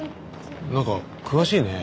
なんか詳しいね。